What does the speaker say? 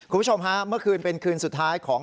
คุณผู้ชมฮะเมื่อคืนเป็นคืนสุดท้ายของ